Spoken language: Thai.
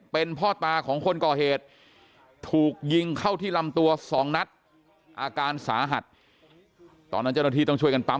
เป็นพ่อตาของคนก่อเหตุถูกยิงเข้าที่ลำตัวสองนัดอาการสาหัสตอนนั้นเจ้าหน้าที่ต้องช่วยกันปั๊ม